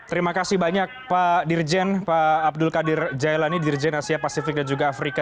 terima kasih banyak pak dirjen pak abdul qadir jailani dirjen asia pasifik dan juga afrika